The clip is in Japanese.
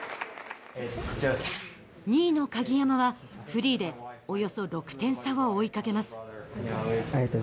２位の鍵山はフリーでおよそ６点差を追いかけます。